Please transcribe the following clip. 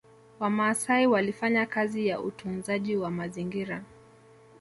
Wamaasai walifanya kazi ya utunzaji wa mazingra